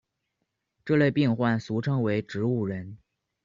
这类病患俗称为植物人。